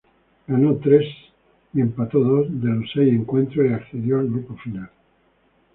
Ganó tres y empató dos de los seis encuentros y accedió al grupo final.